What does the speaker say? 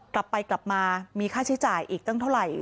กลับไปกลับมามีค่าใช้จ่ายอีกตั้งเท่าไหร่